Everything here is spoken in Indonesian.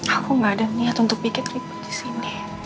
aku gak ada niat untuk bikin ribet disini